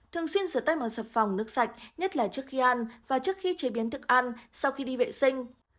thường xuyên rửa tay bằng sập phòng nước sạch nhất là trước khi ăn và trước khi chế biến thức ăn sau khi đi vệ sinh